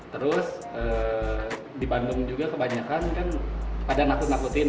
terus di bandung juga kebanyakan kan pada nakut nakutin